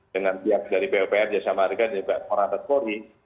dengan pihak dari bwpr jasa marga juga orang orang dari polri